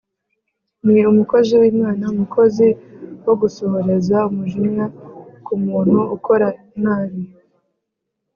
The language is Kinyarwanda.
Ni umukozi w’Imana umukozi wo gusohoreza umujinya ku muntu ukora nabi